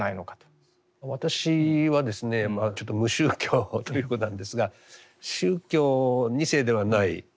私はですねちょっと無宗教ということなんですが宗教２世ではない。